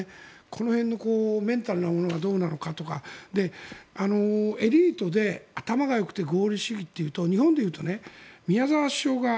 この辺のメンタルの動きがどうなのかとかエリートで頭がよくて合理主義というと日本で言うと宮沢首相が。